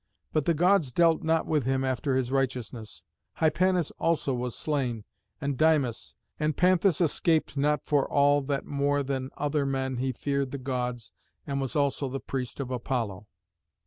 But the Gods dealt not with him after his righteousness. Hypanis also was slain and Dymas, and Panthus escaped not for all that more than other men he feared the Gods and was also the priest of Apollo.